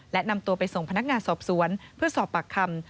และนำตัวไปส่งพนักงานสอบสวนเพื่อสอบปากคำ